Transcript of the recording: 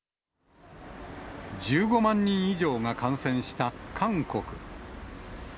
１５万人以上が感染した韓国。